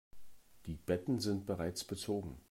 Die Betten sind bereits bezogen.